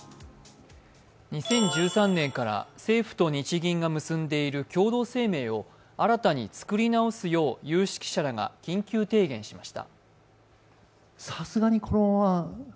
２０１３年から政府と日銀が結んでいる共同声明を新たに作り直すよう有識者らが緊急提言しました。